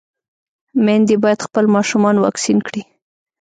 ميندې بايد خپل ماشومان واکسين کړي.